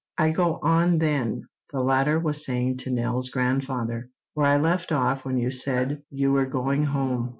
"I go on then," the latter was saying to Nell's grandfather, "where I left off when you said you were going home.